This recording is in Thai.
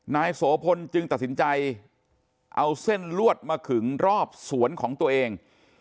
นายโสพลจึงตัดสินใจเอาเส้นลวดมาขึงรอบสวนของตัวเอง